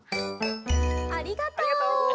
ありがとう。